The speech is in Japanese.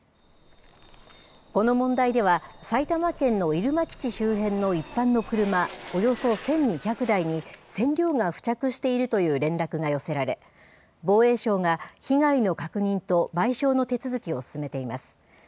この問題では、埼玉県の入間基地周辺の一般の車、およそ１２００台に、染料が付着しているという連絡が寄せられ、防衛省が被害の確認と賠償の手続きを進めています。